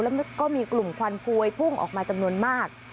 แล้วก็มีกลุ่มควันพวยพุ่งออกมาจำนวนมาก